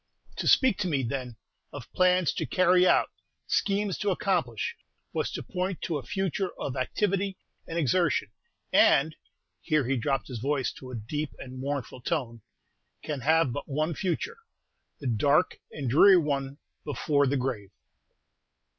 To speak to me, then, of plans to carry out, schemes to accomplish, was to point to a future of activity and exertion; and!" here he dropped his voice to a deep and mournful tone "can have but one future, the dark and dreary one before the grave!"